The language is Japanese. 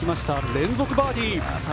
連続バーディー！